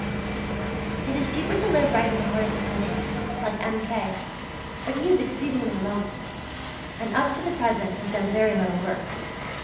It is cheaper to live right in the heart of the country, like M. K., but he is exceedingly lonely, and up to the present has done very little work.